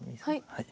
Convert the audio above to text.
はい。